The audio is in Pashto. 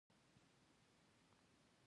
افغانستان د ژبې له امله شهرت لري.